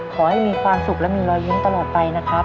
ขอให้มีความสุขและมีรอยยิ้มตลอดไปนะครับ